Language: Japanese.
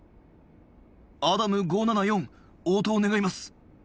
アダム５７４応答願います